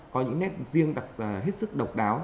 có những nét riêng hết sức độc đáo